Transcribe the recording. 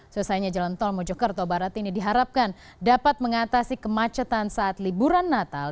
selesainya jalan tol mojokerto barat ini diharapkan dapat mengatasi kemacetan saat liburan natal